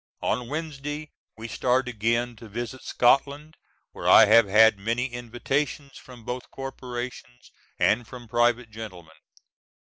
On Wednesday we start again to visit Scotland where I have had many invitations from both corporations and from private gentlemen.